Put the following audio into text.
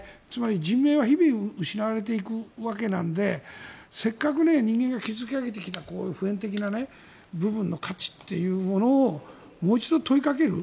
人命は日々失われていくわけなのでせっかく人間が築き上げてきた普遍的な部分の価値というものをもう一度問いかける